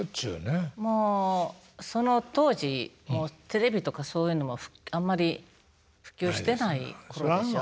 もうその当時もうテレビとかそういうのもあんまり普及してない頃でしょ？